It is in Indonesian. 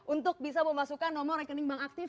untuk bisa memasukkan nomor rekening bank aktif